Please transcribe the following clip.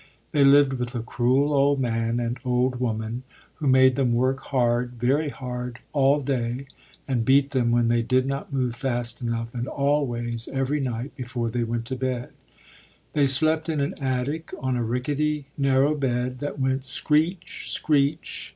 They lived with a cruel old man and old woman, who made them work hard, very hard all day, and beat them when they did not move fast enough, and always, every night, before they went to bed. They slept in an attic on a rickety, narrow bed, that went screech! screech!